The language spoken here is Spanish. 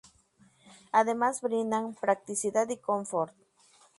Además brindan practicidad y confort.